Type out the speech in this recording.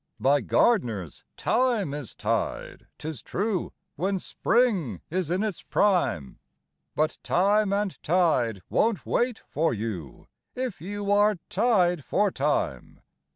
By gardeners thyme is tied, 'tis true, when spring is in its prime; But time and tide won't wait for you if you are tied for time.